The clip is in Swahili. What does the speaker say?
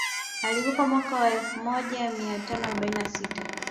Alikufa mwaka wa elfu moja mia tano arobaini na sita